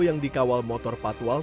yang dikawal motor patwal